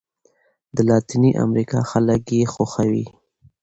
د لاتیني امریکا خلک یې خوښوي.